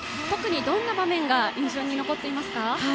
特にどんな場面が印象に残っていますか？